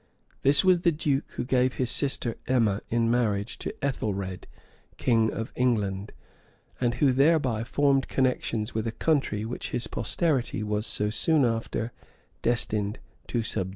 This was the duke who gave his sister Emma in marriage to Ethelred, king of England, and who thereby formed connections with a country which his posterity was so soon after destined to subdue.